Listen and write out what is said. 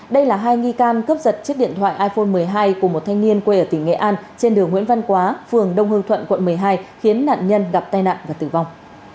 đây là hai nghi can cướp giật chiếc điện thoại iphone một mươi hai của một thanh niên quê ở tỉnh nghệ an trên đường nguyễn văn quá phường đông hương thuận quận một mươi hai khiến nạn nhân gặp tai nạn và tử vong